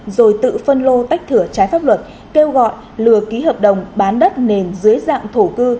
rồi tự phân lô tách thửa trái pháp luật kêu gọi lừa ký hợp đồng bán đất nền dưới dạng thổ cư